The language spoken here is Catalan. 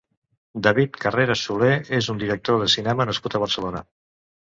David Carreras Solé és un director de cinema nascut a Barcelona.